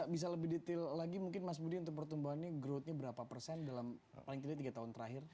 bisa lebih detail lagi mungkin mas budi untuk pertumbuhannya growth nya berapa persen dalam paling tidak tiga tahun terakhir